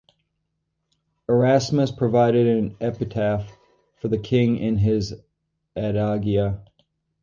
Erasmus provided an epitaph for the King in his Adagia.